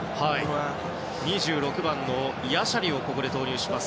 ２６番のヤシャリをここで投入します。